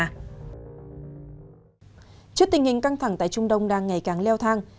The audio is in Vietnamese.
trước tình hình căng thẳng tại trung đông đang ngày càng leo thang